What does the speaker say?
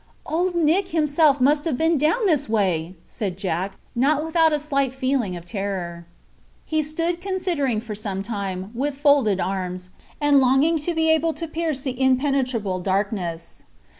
"Old Nick himself must have been down this way!" said Jack, not without a slight feeling of terror. He stood considering for some time, with folded arms, and longing to be able to pierce the impenetrable darkness.